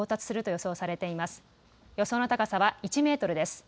予想の高さは１メートルです。